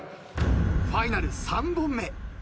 ファイナル３本目。